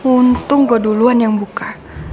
untung gue duluan yang buka